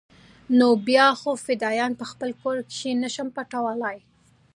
نو بيا خو فدايان په خپل کور کښې نه شم پټولاى.